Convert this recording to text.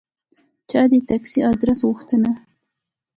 چا د تکسي آدرس غوښته.